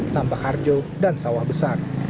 tambah harjo dan sawah besar